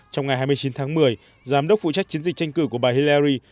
trong ngày hai mươi chín tháng một mươi giám đốc phụ trách chiến dịch tranh cử của bà hilyari